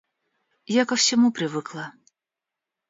Я ко всему привыкла.